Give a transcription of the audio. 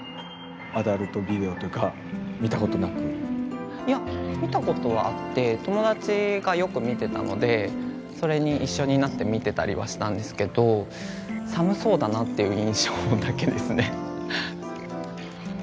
アダルトビデオとか見たことなく？いや見たことはあって友達がよく見てたのでそれに一緒になって見てたりはしたんですけど「寒そうだな」っていう印象だけですね。